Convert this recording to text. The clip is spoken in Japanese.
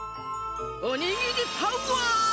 おにぎりパワー！